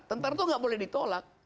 tentara itu nggak boleh ditolak